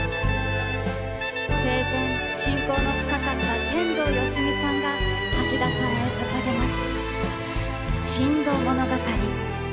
生前、親交の深かった天童よしみさんが橋田さんへささげます。